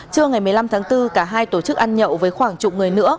trưa ngày một mươi năm tháng bốn cả hai tổ chức ăn nhậu với khoảng chục người nữa